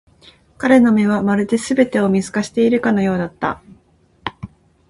彼の目は、まるで全てを見透かしているかのようだった。